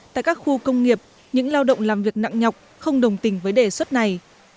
tại các khu công nghiệp những lao động làm việc nặng nhọc không đồng tình với đề xuất này